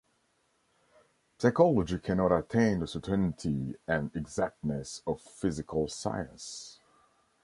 Psychology cannot attain the certainty and exactness of the physical science.